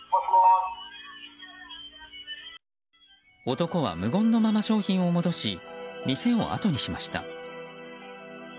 男は無言のまま商品を戻し店をあとにしました。